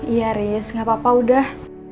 iya riz nggak apa apa udah